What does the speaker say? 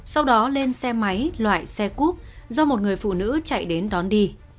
sau đó lên xe máy loại xe cúp do một người phụ nữ chạy đến đón đi